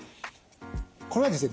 これはですね